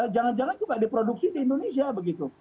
jangan jangan juga diproduksi di indonesia begitu